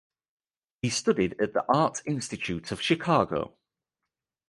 He studied at the Art Institute of Chicago.